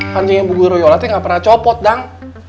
kancingnya bu gua yola tuh nggak pernah copot dang